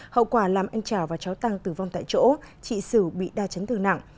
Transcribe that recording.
hậu quả làm anh trảo và cháu tăng tử vong tại chỗ chị sửu bị đa chấn thương nặng